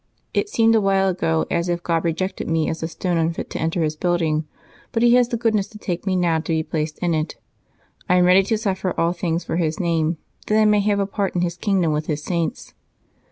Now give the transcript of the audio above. It seemed a while ago as if God rejected me as a stone unfit to enter His building, but He has the goodness to take me now to be placed in it ; I am ready to suffer all things for His name, that I may have a part in His kingdom with His Saints."